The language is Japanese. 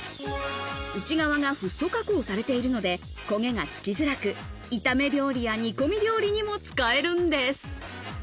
内側がフッ素加工されているので焦げがつきづらく、炒め料理や煮込み料理にも使えるんです。